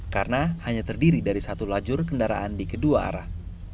karena hanya terdiri dari satu lajur kendaraan di kedua arah